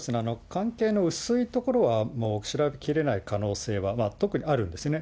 関係の薄いところは調べきれない可能性は特にあるんですね。